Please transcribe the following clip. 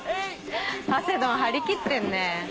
ハセドン張り切ってんね。